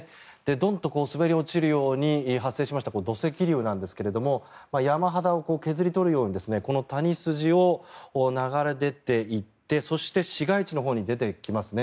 ドンと滑り落ちるように発生しました土石流なんですけれども山肌を削り取るようにこの谷筋を流れ出ていってそして、市街地のほうに出てきますね。